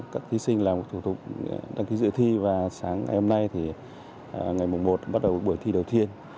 các thí sinh làm một thủ tục đăng ký dự thi và sáng ngày hôm nay thì ngày mùa một bắt đầu buổi thi đầu thiên